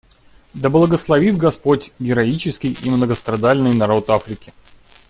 Да благословит Господь героический и многострадальный народ Африки.